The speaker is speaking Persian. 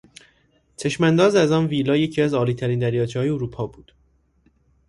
چشمانداز آن ویلا یکی از عالیترین دریاچههای اروپا بود.